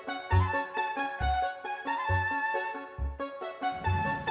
gue mau bayar cendol